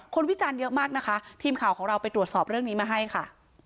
วิจารณ์เยอะมากนะคะทีมข่าวของเราไปตรวจสอบเรื่องนี้มาให้ค่ะ